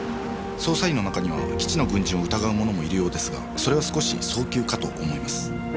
捜査員の中には基地の軍人を疑う者もいるようですがそれは少し早急かと思います。